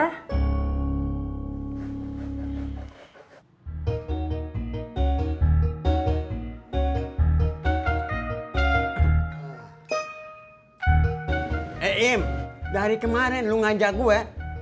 hei im dari kemaren lu ngajak gue